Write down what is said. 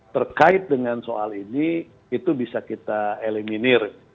terkait dengan soal ini itu bisa kita eliminir